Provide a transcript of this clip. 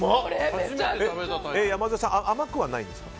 山添さん、甘くはないんですか。